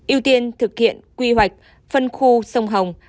ưu tiên thực hiện quy hoạch phân khu sông hồng